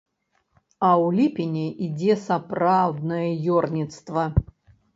А ў ліпені ідзе сапраўднае ёрніцтва.